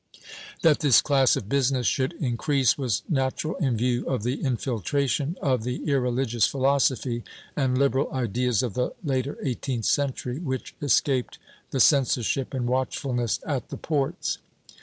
^ That this class of business should increase was natural in viev^ of the infiltration of the irreligious philosophy and liberal ideas of the later eighteenth century, which escaped the censorship and watchfulness at the ports.